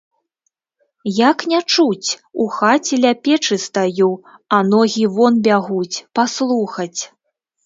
Як не чуць, у хаце ля печы стаю, а ногі вон бягуць, паслухаць.